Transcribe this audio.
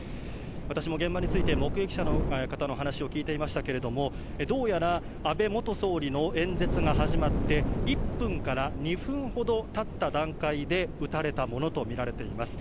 私も現場に着いて、目撃者の方の話を聞いていましたけれども、どうやら安倍元総理の演説が始まって、１分から２分ほどたった段階で、撃たれたものと見られています。